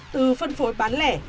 từ phân phối bán lẻ